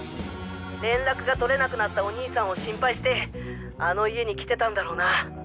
連絡がとれなくなったお兄さんを心配してあの家に来てたんだろうな。